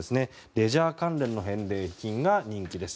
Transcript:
レジャー関連の返礼品が人気です。